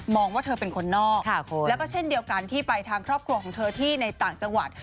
ว่าเธอเป็นคนนอกแล้วก็เช่นเดียวกันที่ไปทางครอบครัวของเธอที่ในต่างจังหวัด